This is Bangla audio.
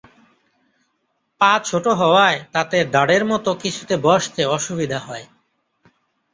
পা ছোট হওয়ায় তাতে দাঁড়ের মতো কিছুতে বসতে অসুবিধা হয়।